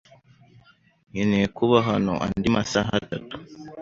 Nkeneye kuba hano andi masaha atatu.